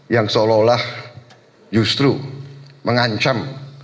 yang seolah olah justru mengancam